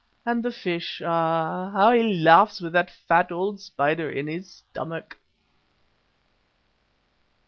And the fish, ah! how he laughs with that fat old spider in his stomach!"